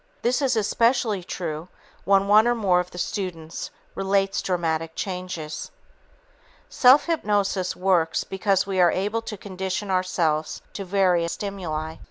This is especially true when one or more of the students relates dramatic changes. Self hypnosis works because we are able to condition ourselves to various stimuli.